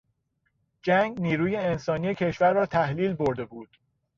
جنگ نیروی انسانی کشور را تحلیل برده بود.